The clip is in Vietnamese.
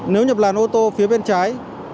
nếu nhập làn ô tô phía bên trái